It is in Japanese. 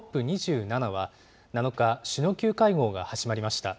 ＣＯＰ２７は７日、首脳級会合が始まりました。